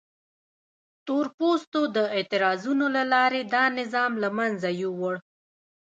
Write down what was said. تور پوستو د اعتراضونو له لارې دا نظام له منځه یووړ.